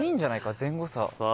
前後差さあ